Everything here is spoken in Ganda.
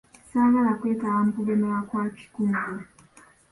Ssaagala kwetaba mu kugemebwa kwa kikungo.